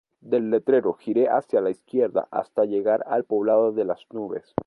Del letrero, gire hacia la izquierda hasta llegar al poblado las Nubes.